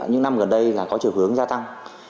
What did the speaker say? những năm gần đây có trường hướng gia tăng